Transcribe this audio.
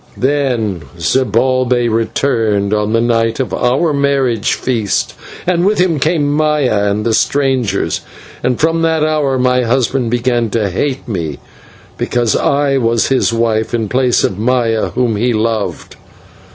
"Then Zibalbay returned on the night of our marriage feast, and with him came Maya and the strangers; and from that hour my husband began to hate me because I was his wife in place of Maya, whom he loved.